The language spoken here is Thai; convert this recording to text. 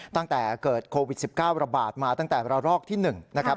ตั้งแต่เกิดโควิด๑๙ระบาดมาตั้งแต่ระรอกที่๑นะครับ